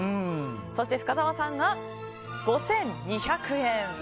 そして、深澤さんが５２００円。